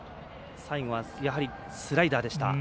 最後はやはりスライダーでした。